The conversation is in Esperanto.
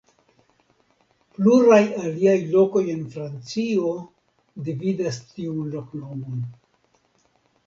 Pluraj aliaj lokoj en Francio dividas tiun loknomon.